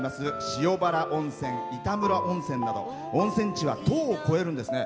塩原温泉、板室温泉など温泉地は１０を超えるんですね。